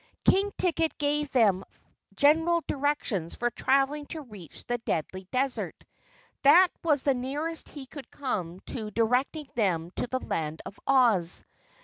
King Ticket gave them general directions for traveling to reach the Deadly Desert. That was the nearest he could come to directing them to the Land of Oz.